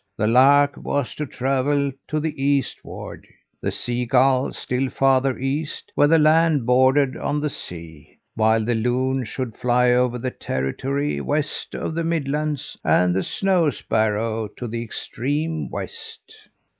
The lark was to travel to the eastward, the sea gull still farther east, where the land bordered on the sea, while the loon should fly over the territory west of the midlands, and the snow sparrow to the extreme west.